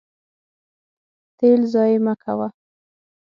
تیل ضایع مه کوه.